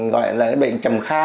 gọi là bệnh chầm kha